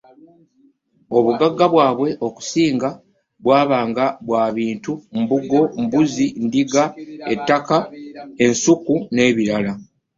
Obugagga bwabwe okusinga bwabanga bwa bintu; embugo, embuzi, endiga, ettaka, ensuku n’ebirala.